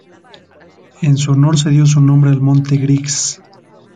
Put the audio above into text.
En su honor se dio su nombre al monte Griggs.